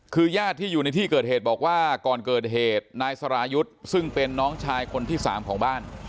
คือญาติที่อยู่ในที่เกิดเหตุบอกว่าก่อนเกิดเหตุนายสรายุทธ์ซึ่งเป็นน้องชายคนที่๓ของบ้าน